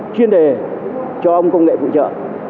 chuyên đề cho ông công nghệ phụ trợ